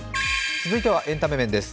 続いてはエンタメ面です。